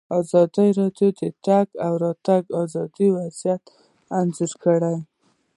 ازادي راډیو د د تګ راتګ ازادي وضعیت انځور کړی.